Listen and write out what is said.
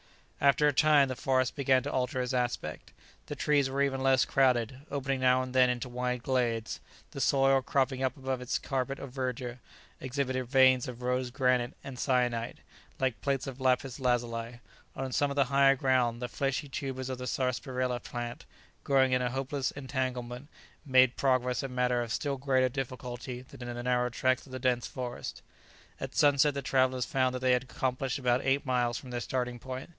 After a time the forest began to alter its aspect. The trees were even less crowded, opening now and then into wide glades. The soil, cropping up above its carpet of verdure, exhibited veins of rose granite and syenite, like plates of lapis lazuli; on some of the higher ground, the fleshy tubers of the sarsaparilla plant, growing in a hopeless entanglement, made progress a matter of still greater difficulty than in the narrow tracks of the dense forest. At sunset the travellers found that they had accomplished about eight miles from their starting point.